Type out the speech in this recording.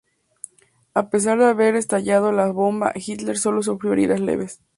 A pesar de haber estallado la bomba, Hitler solo sufrió heridas leves.